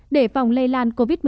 để phòng lây lan covid một mươi chín